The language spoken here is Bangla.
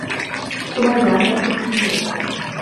তোমার ঘ্রাণটা খুব সুন্দর।